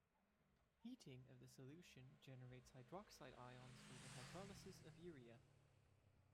Heating of the solution generates hydroxide ions from the hydrolysis of urea.